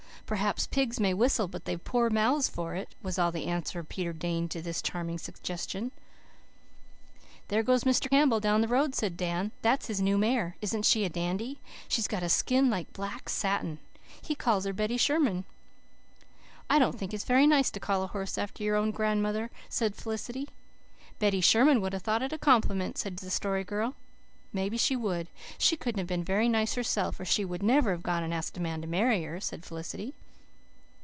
"Perhaps pigs may whistle, but they've poor mouths for it," was all the answer Peter deigned to this charming suggestion. "There goes Mr. Campbell down the road," said Dan. "That's his new mare. Isn't she a dandy? She's got a skin like black satin. He calls her Betty Sherman." "I don't think it's very nice to call a horse after your own grandmother," said Felicity. "Betty Sherman would have thought it a compliment," said the Story Girl. "Maybe she would. She couldn't have been very nice herself, or she would never have gone and asked a man to marry her," said Felicity.